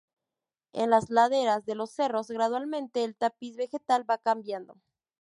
En las laderas de los cerros gradualmente el tapiz vegetal va cambiando.